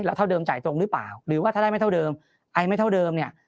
แล้วเท่าเดิมจ่ายตรงหรือเปล่าหรือว่าถ้าได้ไม่เท่าเดิมไอไม่เท่าเดิมเนี่ย